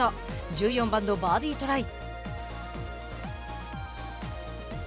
１４番のバーディートライ。